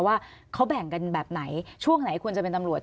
ว่าเขาแบ่งกันแบบไหนช่วงไหนควรจะเป็นตำรวจ